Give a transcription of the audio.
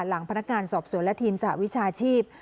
หลังพนักงานสอบสวนและทีมสหวิชาชีพ